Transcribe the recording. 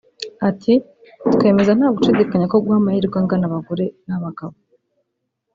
Ati “Twemeza nta gushidikanya ko guha amahirwe angana abagore n’abagabo